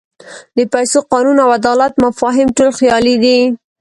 د پیسو، قانون او عدالت مفاهیم ټول خیالي دي.